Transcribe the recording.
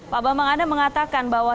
pak bambang anda mengatakan bahwa